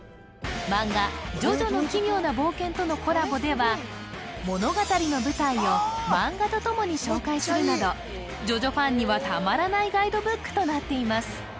漫画「ジョジョの奇妙な冒険」とのコラボではするなど「ジョジョ」ファンにはたまらないガイドブックとなっています